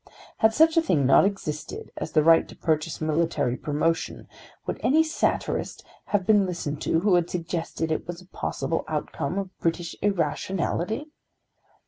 Had such a thing not existed as the right to purchase military promotion, would any satirist have been listened to who had suggested it as a possible outcome of British irrationality?